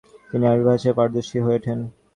তিনি আরবী ভাষাও পারদর্শী হয়ে উঠেন।